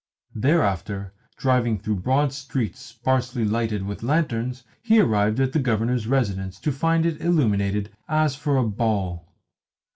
Thereafter driving through broad streets sparsely lighted with lanterns, he arrived at the Governor's residence to find it illuminated as for a ball.